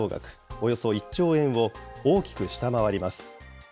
およそ１兆円を大きく下回ります。